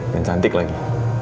dan cantik lagi